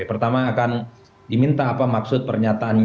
pertama akan diminta apa maksud pernyataannya